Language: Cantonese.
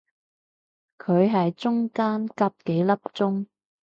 佢係中間隔幾粒鐘